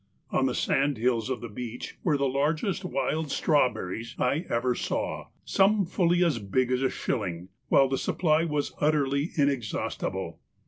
On the sandhills of the beach were the largest wild strawberries I ever saw, some fully as big as a shilling, while the supply was utterly inexhaustible.